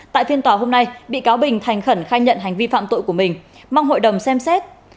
tại phiên tòa hôm nay bị cáo bình thành khẩn khai nhận hành vi phạm tội của mình mong hội đồng xem xét